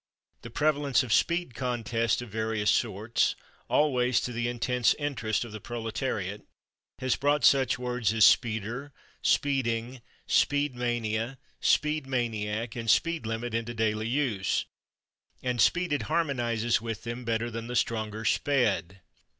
The prevalence of speed contests [Pg203] of various sorts, always to the intense interest of the proletariat, has brought such words as /speeder/, /speeding/, /speed mania/, /speed maniac/ and /speed limit/ into daily use, and /speeded/ harmonizes with them better than the stronger /sped